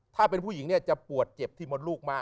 ถ้าเป็นผู้หญิงเนี่ยจะปวดเจ็บที่มดลูกมาก